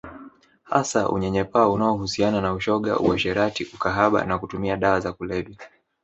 Hasa unyanyapaa unaohusiana na ushoga uasherati ukahaba na kutumia dawa za kulevya